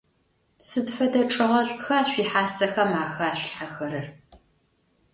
Сыд фэдэ чӏыгъэшӏуха шъуихьасэхэм ахашъулъхьэхэрэр?